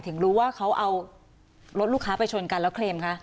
ถึงรู้ว่าเขาเอารถลูกค้าไปชนกันแล้วเคลมคะ